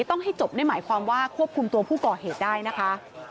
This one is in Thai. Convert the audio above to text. ต้องให้จบได้หมายความว่าควบคุมตัวผู้ก่อเหตุได้นะคะ